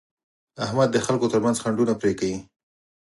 احمد د خلکو ترمنځ خنډونه پرې کوي.